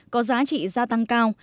có giá trị gia tăng cao